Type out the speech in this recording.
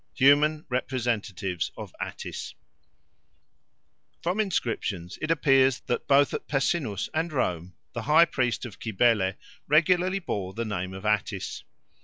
Human Representatives of Attis FROM INSCRIPTIONS it appears that both at Pessinus and Rome the high priest of Cybele regularly bore the name of Attis.